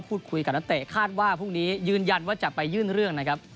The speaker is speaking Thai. กับนักเตะคาดว่าพรุ่งนี้ยืนยันว่าจะไปยื่นเรื่องนะครับ